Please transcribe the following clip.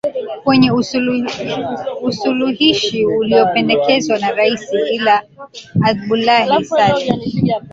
kwenye usuluhishi uliopendekezwa na rais ali adbulahi sallee